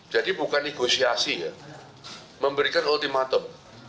jadi bukan negosiasi ya memberikan ultimatum